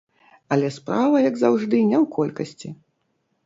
Але справа, як заўжды, не ў колькасці.